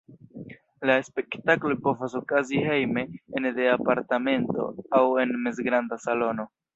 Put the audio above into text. La spektakloj povas okazi hejme, ene de apartamento, aŭ en mezgranda salono.